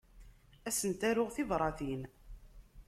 Ad sent-aruɣ tibratin.